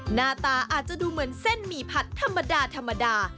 หน้าตาอาจจะดูเหมือนเส้นหมี่ผัดธรรมดาธรรมดา